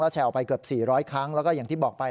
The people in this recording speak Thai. แชร์ออกไปเกือบ๔๐๐ครั้งแล้วก็อย่างที่บอกไป